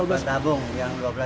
dari tabung yang dua belas kg ya